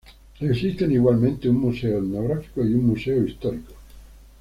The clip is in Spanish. Existen igualmente un Museo Etnográfico y un Museo Histórico.